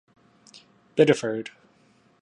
Bideford.